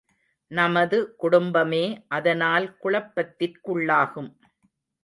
நமது குடும்பமே அதனால் குழப்பத்திற்குள்ளாகும்.